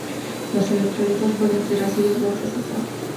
Los electrolitos pueden ser ácidos, bases o sales.